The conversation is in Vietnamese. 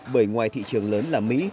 bởi ngoài thị trường lớn là mỹ